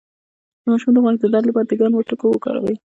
د ماشوم د غوږ د درد لپاره د ګرمو تکو وکاروئ